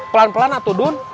pelan pelan atuh dun